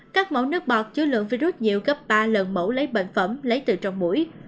các mẫu nước bọt chứa lượng virus nhiều gấp ba lần mẫu lấy bệnh phẩm lấy từ trong mũi